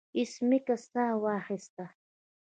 ایس میکس ساه واخیسته